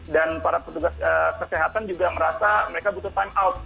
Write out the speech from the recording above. dan para petugas kesehatan juga merasa mereka butuh time out